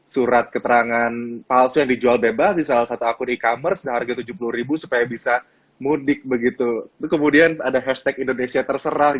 surat keterangan palsu yang dijual bebas di salah satu akun e commerce seharga rp tujuh puluh supaya bisa mudik begitu kemudian ada hashtag indonesia terserah